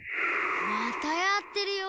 またやってるよ。